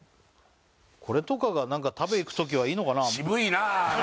これとかがなんか食べいくときはいいのかな